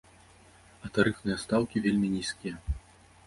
А тарыфныя стаўкі вельмі нізкія.